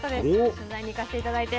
取材に行かせて頂いて。